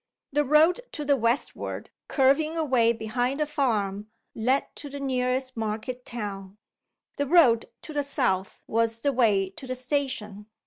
The road to the westward, curving away behind the farm, led to the nearest market town. The road to the south was the way to the station.